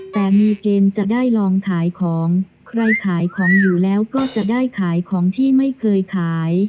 แต่มีเกณฑ์จะได้ลองขายของใครขายของอยู่แล้วก็จะได้ขายของที่ไม่เคยขาย